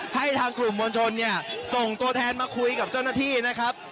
ให้ทางกลุ่มมวลชนเนี่ยส่งตัวแทนมาคุยกับเจ้าหน้าที่นะครับ